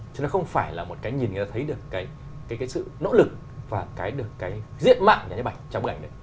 chứ nó không phải là một cái nhìn người ta thấy được cái sự nỗ lực và cái diện mạng của những bức ảnh trong bức ảnh này